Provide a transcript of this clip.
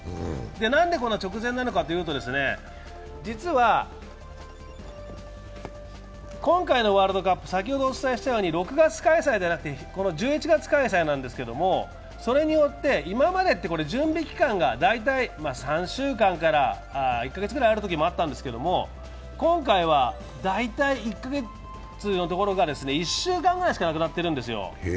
なぜこんな直前なのかというと実は今回のワールドカップ、６月開催ではなくて１１月開催なんですが、それによって、今までは準備期間が大体３週間から１か月ぐらいあったこともあったんですけど、今回は大体１か月のところが１週間ぐらいしかなくなってるんですよ。